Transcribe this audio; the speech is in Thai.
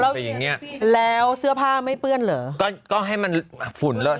แล้วอย่างเงี้ยแล้วเสื้อผ้าไม่เปื้อนเหรอก็ก็ให้มันฝุ่นแล้ว